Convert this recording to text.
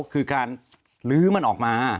คือการลื้อมันออกมา